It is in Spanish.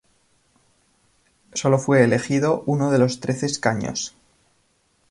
Solo fue elegido uno de los trece escaños.